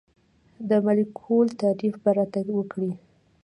د مالیکول تعریف به راته وکړئ.